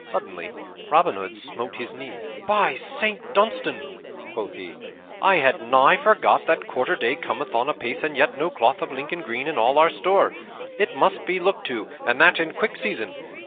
Suddenly Robin Hood smote his knee. "By Saint Dunstan," quoth he, "I had nigh forgot that quarter day cometh on apace, and yet no cloth of Lincoln green in all our store. It must be looked to, and that in quick season.